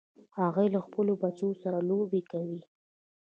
هغوی له خپلو بچو سره لوبې کوي